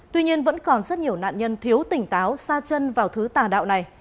tuy nhiên vẫn còn rất nhiều nạn nhân thiếu tỉnh táo sa chân vào thứ tà đạo này